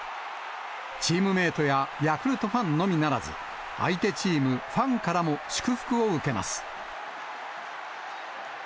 チームメートやヤクルトファンのみならず、相手チーム、ファンからも祝福を受けます。